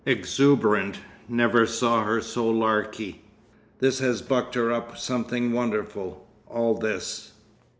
"Exuberant. Never saw her so larky. This has bucked her up something wonderful—all this."